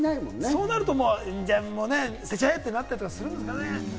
そうなると捨てちゃえってなったりするんですかね。